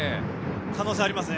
可能性ありますね。